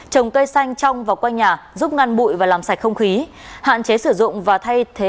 trồng cây xanh trong và quanh nhà giúp ngăn bụi và làm sạch không khí hạn chế sử dụng và thay thế